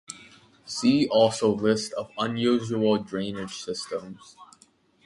See also List of unusual drainage systems.